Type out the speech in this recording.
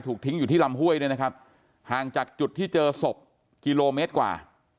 ทิ้งอยู่ที่ลำห้วยเนี่ยนะครับห่างจากจุดที่เจอศพกิโลเมตรกว่า